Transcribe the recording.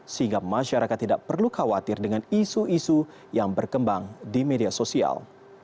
sehingga masyarakat tidak perlu khawatir dengan isu isu yang berkembang di media sosial